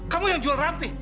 kamu yang jual ranti